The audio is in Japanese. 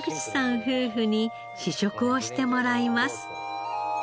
夫婦に試食をしてもらいます。